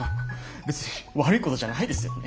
別に悪いことじゃないですよね